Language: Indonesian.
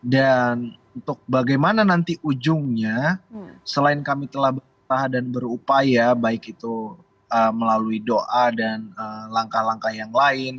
dan bagaimana nanti ujungnya selain kami telah bertahan dan berupaya baik itu melalui doa dan langkah langkah yang lain